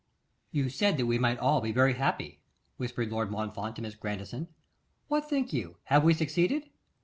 'You said that we might all be very happy,' whispered Lord Montfort to Miss Grandison. 'What think you; have we succeeded?